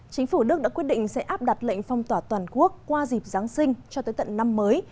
chính phủ đức đã quyết định sẽ áp đặt lệnh phong tỏa toàn quốc qua dịp giáng sinh cho tới tận năm mới